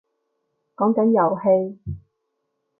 講緊遊戲